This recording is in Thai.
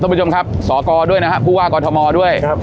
ผู้ชมครับสกด้วยนะฮะผู้ว่ากอทมด้วยครับ